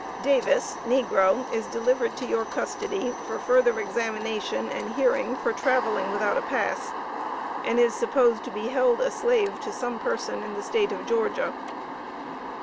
Davis (Negro) is delivered to your custody for further examination and hearing for traveling without a pass, and supposed to be held a Slave to some person in the State of Georgia.